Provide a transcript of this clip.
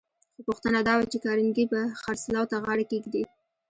خو پوښتنه دا وه چې کارنګي به خرڅلاو ته غاړه کېږدي؟